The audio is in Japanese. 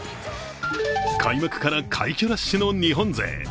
開幕から快挙ラッシュの日本勢。